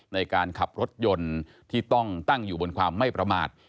ในการขับรถยนต์ที่ต้องตั้งอยู่บนความไม่ประมาท